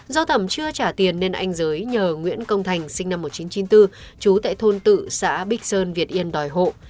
do thẩm chưa trả tiền nên anh giới nhờ nguyễn công thành sinh năm một nghìn chín trăm chín mươi bốn chú tại thôn tự xã bích sơn việt yên đòi hộ